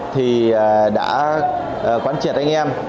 thì đã quán triệt anh em